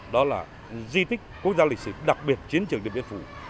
đó là di tích quốc gia lịch sử đặc biệt chiến trường điện biên phủ